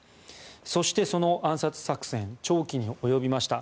そして、その暗殺作戦は長期に及びました。